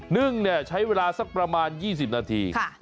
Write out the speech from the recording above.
นึ่งใช้เวลาสักประมาณ๒๐นาที